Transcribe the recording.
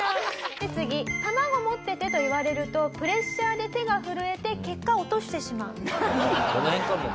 で次「卵持ってて」と言われるとプレッシャーで手が震えて結果落としてしまう。